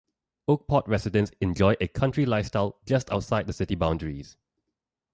Oakport residents enjoy a country lifestyle just outside the city boundaries.